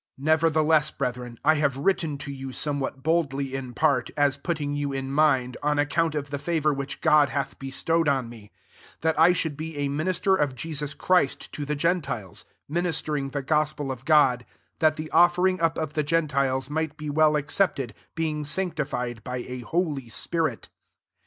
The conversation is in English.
15 Nevertheless, breth ren, I have written to you some what boldly in part, as putting you in mind, on account of the favour which God hath be stowed on me; 16 that I should be a minister of Jesus Christ to the gentiles, ministering the gospel of God, that the offering up of the gentiles might be well accepted, being sanctified by a holy spirit.